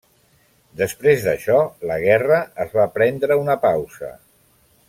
Després d'això la guerra es va prendre una pausa.